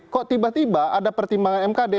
kok tiba tiba ada pertimbangan mkd